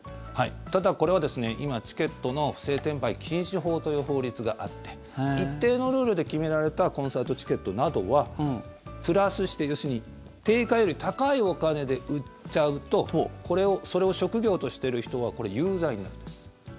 ただ、これは今チケットの不正転売禁止法という法律があって一定のルールで決められたコンサートチケットなどはプラスして、要するに定価より高いお金で売っちゃうとそれを職業としてる人は有罪になるんです。